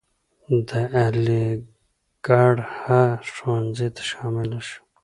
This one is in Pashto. د علیګړهه ښوونځي ته شامل شو.